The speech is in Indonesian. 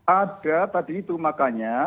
ada tadi itu makanya